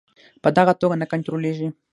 په دغه توګه نه کنټرولیږي.